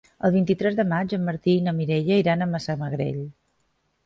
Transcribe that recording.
El vint-i-tres de maig en Martí i na Mireia iran a Massamagrell.